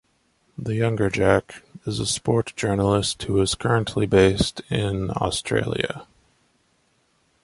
The younger Jack is a sport journalist who is currently based in Australia.